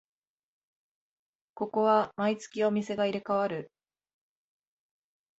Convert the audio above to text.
ここは毎月お店が入れ替わる